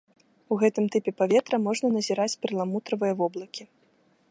У гэтым тыпе паветра можна назіраць перламутравыя воблакі.